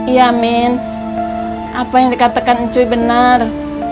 iya min apa yang dikatakan ncuy benar